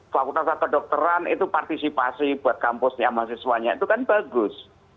fakultas atau dokteran itu partisipasi buat kampusnya mahasiswanya itu kan bagus